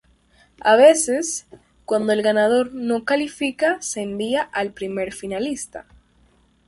A veces, cuándo el ganador no califica se envía al primer finalista.